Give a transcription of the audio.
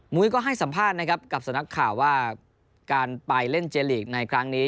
ก็ให้สัมภาษณ์นะครับกับสำนักข่าวว่าการไปเล่นเจลีกในครั้งนี้